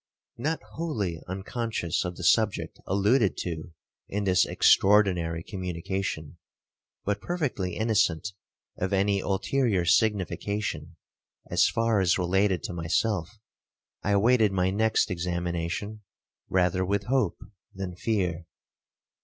'Not wholly unconscious of the subject alluded to in this extraordinary communication, but perfectly innocent of any ulterior signification, as far as related to myself, I awaited my next examination rather with hope than fear.